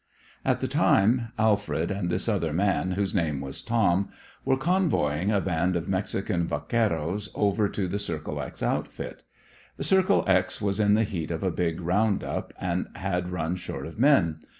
At the time, Alfred and this other man, whose name was Tom, were convoying a band of Mexican vaqueros over to the Circle X outfit. The Circle X was in the heat of a big round up, and had run short of men.